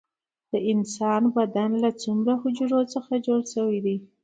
د انسان بدن له څومره حجرو څخه جوړ شوی دی